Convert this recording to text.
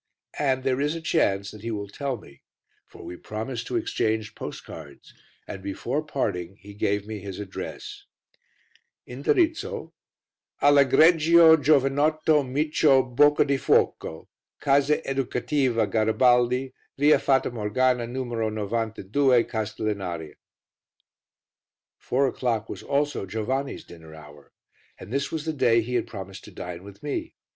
And there is a chance that he will tell me, for we promised to exchange postcards, and before parting he gave me his address (Indirizzo) ALL' EGREGIO GIOVANOTTO MICIO BOCCADIFUOCO, Casa Educativa Garibaldi, Via Fata Morgana No. 92, Castellinaria. Four o'clock was also Giovanni's dinner hour, and this was the day he had promised to dine with me.